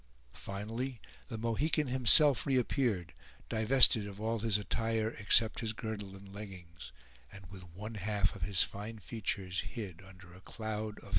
Finally, the Mohican himself reappeared, divested of all his attire, except his girdle and leggings, and with one half of his fine features hid under a cloud of threatening black.